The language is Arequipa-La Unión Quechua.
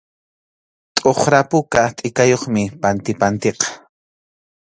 Tʼuqra puka tʼikayuqmi pantipantiqa.